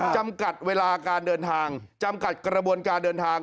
จำกัดเวลาการเดินทางจำกัดกระบวนการเดินทาง